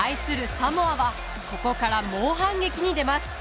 サモアはここから猛反撃に出ます。